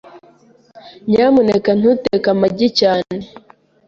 Nyamuneka ntuteke amagi cyane. .